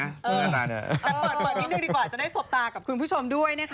แต่เปิดนิดนึงดีกว่าจะได้สบตากับคุณผู้ชมด้วยนะคะ